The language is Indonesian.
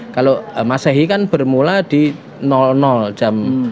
kalau masehi kan bermula di jam